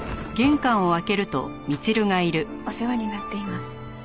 お世話になっています。